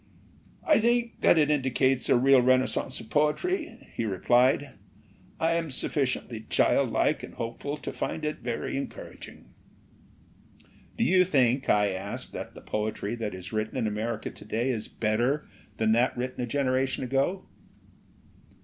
"I think that it indicates a real renascence of poetry," he replied. "I am sufficiently child like and hopeful to find it very encouraging," 269 LITERATURE IN THE MAKING "Do you think," I asked, "that the poetry that is written in America to day is better than that written a generation ago?"